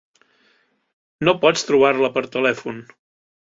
No pots trobar-la per telèfon.